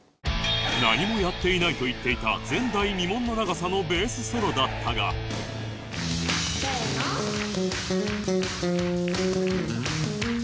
何もやっていないと言っていた前代未聞の長さのベースソロだったがせーの。